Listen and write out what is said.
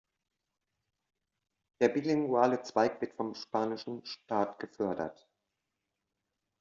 Der bilinguale Zweig wird vom spanischen Staat gefördert.